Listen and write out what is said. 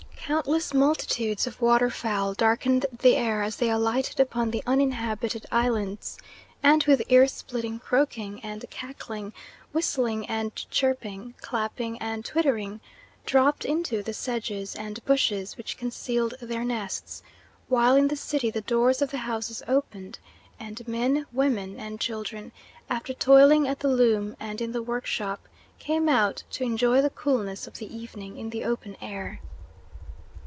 Countless multitudes of waterfowl darkened the air as they alighted upon the uninhabited islands, and with ear splitting croaking and cackling, whistling and chirping, clapping and twittering, dropped into the sedges and bushes which concealed their nests, while in the city the doors of the houses opened, and men, women, and children, after toiling at the loom and in the workshop, came out to enjoy the coolness of the evening in the open air.